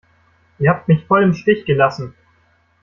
Ihr habt mich voll im Stich gelassen!